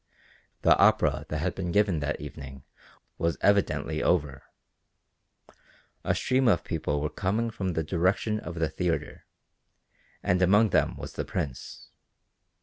The opera that had been given that evening was evidently over. A stream of people were coming from the direction of the theatre, and among them was the Prince.